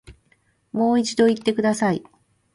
もう一度言ってください